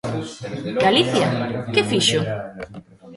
Galicia ¿que fixo?